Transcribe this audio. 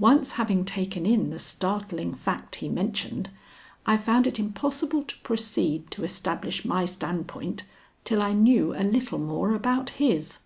Once having taken in the startling fact he mentioned, I found it impossible to proceed to establish my standpoint till I knew a little more about his.